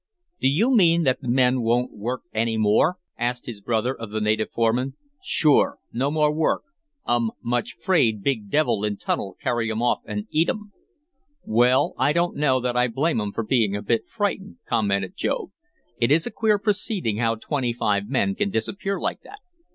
"Do you mean that the men won't work any more?" asked his brother of the native foreman. "Sure, no more work um much 'fraid big devil in tunnel carry um off an' eat um." "Well, I don't know that I blame 'em for being a bit frightened," commented Job. "It is a queer proceeding how twenty five men can disappear like that.